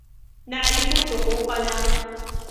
نعرف حقوقنا.